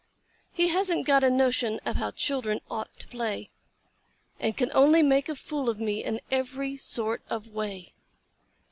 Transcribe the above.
He hasn't got a notion of how children ought to play, And can only make a fool of me in every sort of way.